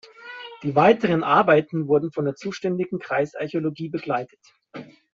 Die weiteren Arbeiten wurden von der zuständigen Kreisarchäologie begleitet.